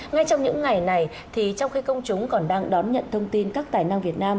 ngay trong những ngày này thì trong khi công chúng còn đang đón nhận thông tin các tài năng việt nam